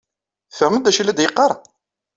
Tfehmeḍ d aci i la d-yeqqaṛ?